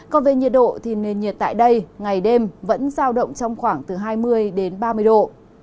còn về nhiệt độ nên nhiệt tại đây ngày đêm vẫn giao động trong khoảng hai mươi ba mươi độ